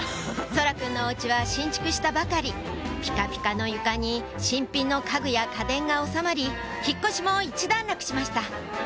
蒼空くんのお家は新築したばかりピカピカの床に新品の家具や家電が収まり引っ越しも一段落しました